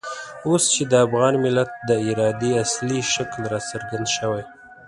اوس چې د افغان ملت د ارادې اصلي شکل را څرګند شوی.